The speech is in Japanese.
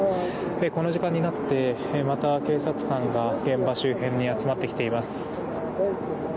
この時間になってまた警察官が現場周辺に集まってきています。